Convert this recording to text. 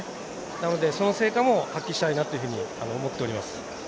なので、その成果も発揮したいなと思っております。